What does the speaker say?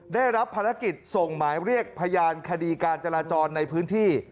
ได้รับภารกิจส่งหมายเรียกพยานคดีการจราจรในพื้นที่